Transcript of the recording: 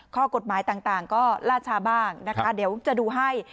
ข้อกฎหมายต่างก็ล่าช้าบ้างนะคะเดี๋ยวจะดูให้